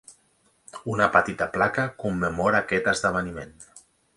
Una petita placa commemora aquest esdeveniment.